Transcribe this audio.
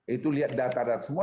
itu lihat data data semua